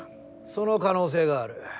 その可能性がある。